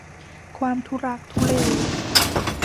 ความทุลักทุเล